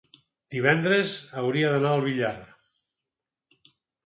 Divendres hauria d'anar al Villar.